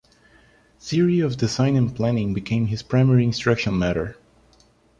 Theory of design and planning became his primary instruction matter.